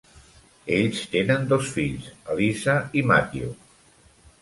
Ells tenen dos fills, Eliza i Matthew.